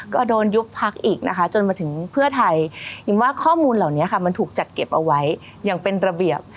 ก็โดนยุบพักอีกนะคะจนมาถึงเพื่อไทยอิมว่าข้อมูลเหล่านี้ค่ะมันถูกจัดเก็บเอาไว้อย่างเป็นระเบียบ